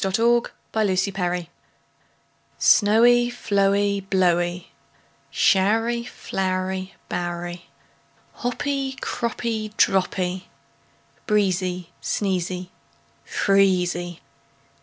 Y Z The Twelve Months SNOWY, Flowy, Blowy, Showery, Flowery, Bowery, Hoppy, Croppy, Droppy, Breezy, Sneezy, Freezy.